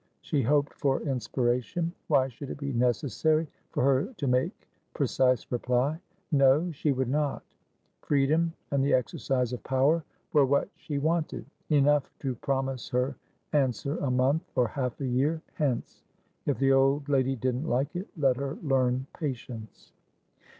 She hoped for inspiration. Why should it be necessary for her to make precise reply? No! She would not. Freedom and the exercise of power were what she wanted. Enough to promise her answer a month, or half a year, hence. If the old lady didn't like it, let her learn patience.